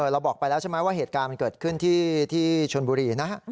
เราบอกไปแล้วใช่ไหมว่าเหตุการณ์มันเกิดขึ้นที่ชนบุรีนะฮะ